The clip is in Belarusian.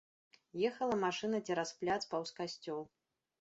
Ехала машына цераз пляц паўз касцёл.